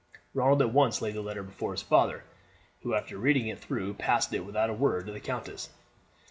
Ronald at once laid the letter before his father, who, after reading it through, passed it, without a word, to the countess.